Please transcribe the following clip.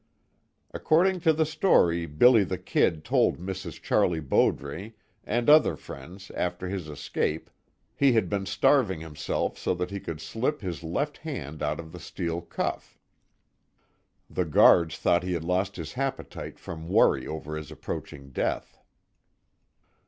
According to the story "Billy the Kid" told Mrs. Charlie Bowdre, and other friends, after his escape, he had been starving himself so that he could slip his left hand out of the steel cuff. The guards thought he had lost his appetite from worry over his approaching death.